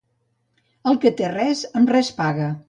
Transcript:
El que res té, amb res paga.